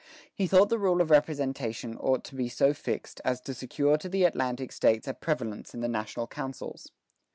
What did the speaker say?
He thought the rule of representation ought to be so fixed, as to secure to the Atlantic States a prevalence in the national councils."